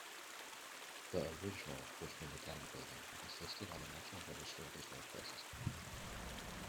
The original Richmond Academy building is listed on the National Register of Historic Places.